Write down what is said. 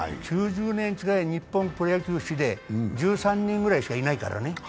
９０年近い日本プロ野球史で１３人ぐらいしかいないからね。